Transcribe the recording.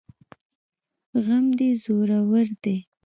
غم دي زورور دی